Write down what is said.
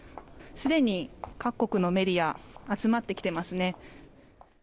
すでに各国のメディア集まってきてますね。